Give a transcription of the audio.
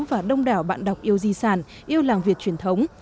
và đông đảo bạn đọc yêu di sản yêu làng việt truyền thống